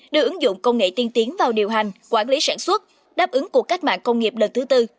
đưa ứng dụng công nghệ tiên tiến vào điều hành quản lý sản xuất đáp ứng cuộc cách mạng công nghiệp lần thứ tư